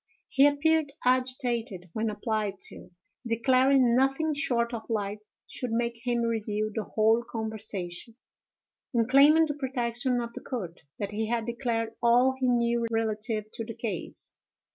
He appeared agitated when applied to, declaring nothing short of life should make him reveal the whole conversation, and, claiming the protection of the court, that he had declared all he knew relative to the case.